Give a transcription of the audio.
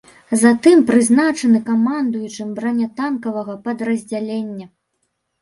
Затым прызначаны камандуючым бранятанкавага падраздзялення.